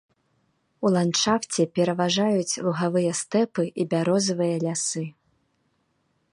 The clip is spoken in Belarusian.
У ландшафце пераважаюць лугавыя стэпы і бярозавыя лясы.